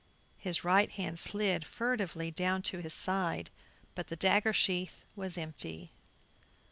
His right hand slid furtively down to his side, but the dagger sheath was empty.